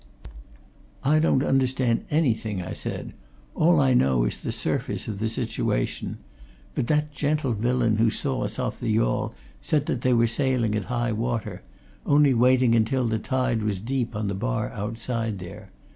"I don't understand anything," I said. "All I know is the surface of the situation. But that gentle villain who saw us off the yawl said that they were sailing at high water only waiting until the tide was deep on the bar outside there.